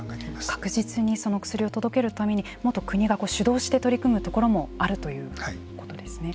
確実に薬を届けるためにもっと国が主導して取り組むところもあるということですね。